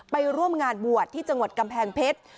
ไปร่วมงานบวชที่จังหวัดกำแพงเพชร